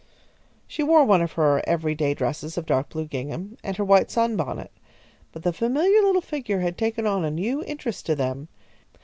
She wore one of her every day dresses of dark blue gingham, and her white sunbonnet, but the familiar little figure had taken on a new interest to them.